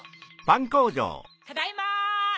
・ただいま！